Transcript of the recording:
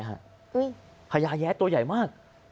อุ๊ยพญาแย๊ตัวใหญ่มาก